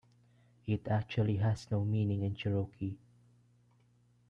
It actually has no meaning in Cherokee.